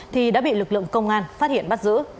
thì đã bị lực lượng công an phát hiện bắt giữ